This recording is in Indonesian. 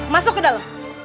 masuk ke dalam